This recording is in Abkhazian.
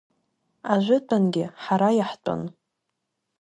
Ажәытәангьы ҳара иаҳтәын.